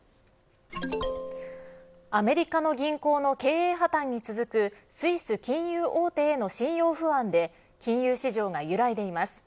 アメリカの銀行の経営破綻に続くスイス金融大手への信用不安で金融市場が揺らいでいます。